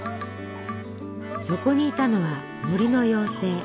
そこにいたのは森の妖精。